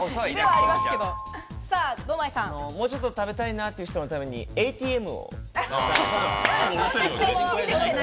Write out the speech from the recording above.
もうちょっと食べたいなという人のためにＡＴＭを。